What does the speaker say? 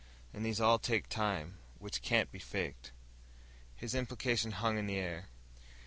And these all take time, which can't be faked." His implication hung in the air.